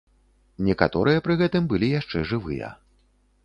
Некаторыя пры гэтым былі яшчэ жывыя.